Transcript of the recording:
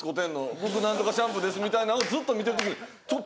「僕何とかシャンプーです」みたいなんをずっと見てる時に。